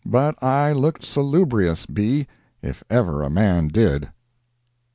But I looked salubrious, B., if ever a man did.